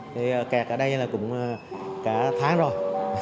thì kẹt ở đây là cũng cả tháng rồi